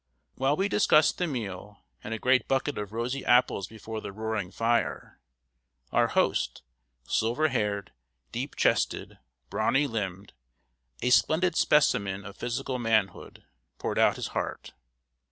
While we discussed the meal and a great bucket of rosy apples before the roaring fire, our host silver haired, deep chested, brawny limbed, a splendid specimen of physical manhood poured out his heart.